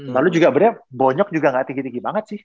lalu juga beneran bonyok juga gak tinggi tinggi banget sih